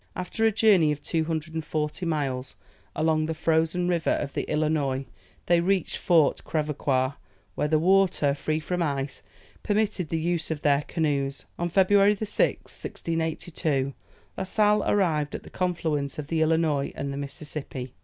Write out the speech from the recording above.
After a journey of 240 miles along the frozen river of the Illinois, they reached Fort Crèvecoeur, where the water, free from ice, permitted the use of their canoes. On February 6th, 1682, La Sale arrived at the confluence of the Illinois and the Mississippi.